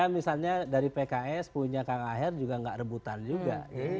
misalnya dari pks punya kang aher juga nggak rebutan juga